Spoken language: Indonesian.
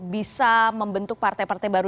bisa membentuk partai partai baru